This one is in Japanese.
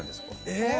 えっ。